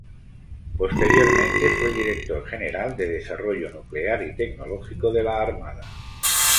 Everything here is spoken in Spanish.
Posteriormente fue director general de Desarrollo Nuclear y Tecnológico de la Armada.